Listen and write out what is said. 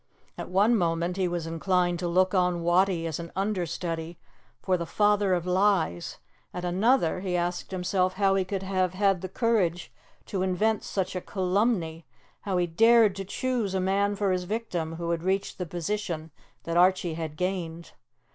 At one moment he was inclined to look on Wattie as an understudy for the father of lies; at another, he asked himself how he could have had courage to invent such a calumny how he had dared to choose a man for his victim who had reached the position that Archie had gained.